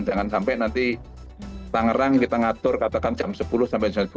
jangan sampai nanti tangerang kita ngatur katakan jam sepuluh sampai jam sepuluh